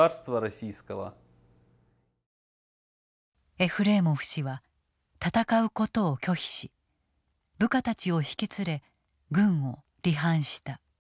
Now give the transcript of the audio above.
エフレーモフ氏は戦うことを拒否し部下たちを引き連れ軍を離反した。